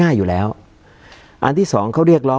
การแสดงความคิดเห็น